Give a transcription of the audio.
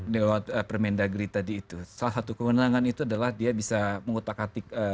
lewat permendagri tadi itu salah satu kewenangan itu adalah dia bisa mengutak atik